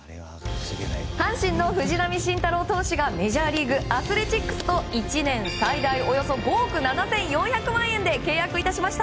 阪神の藤浪晋太郎投手がメジャーリーグアスレチックスと１年最大およそ５億７４００万円で契約いたしました。